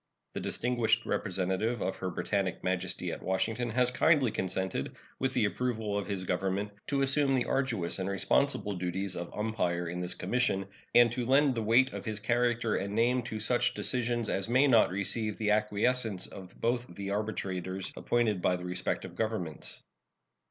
The distinguished representative of Her Britannic Majesty at Washington has kindly consented, with the approval of his Government, to assume the arduous and responsible duties of umpire in this commission, and to lend the weight of his character and name to such decisions as may not receive the acquiescence of both the arbitrators appointed by the respective Governments.